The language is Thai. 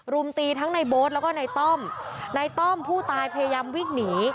รุมตีทั้งในโบ๊ทแล้วก็ในต้อมในต้อมผู้ตายพยายามวิ่งหนี